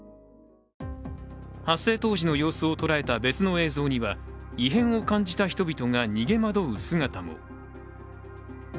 発生当時の様子を捉えた別の映像には異変を感じた人々が逃げ惑う姿も。